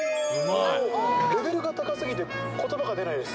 レベルが高すぎてことばが出ないです。